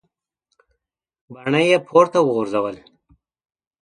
باڼه یې پورته وغورځول.